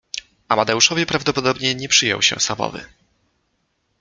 Amadeuszowi prawdopodobnie nie przyjął się schabowy.